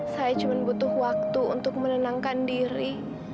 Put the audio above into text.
saya cuma butuh waktu untuk menenangkan diri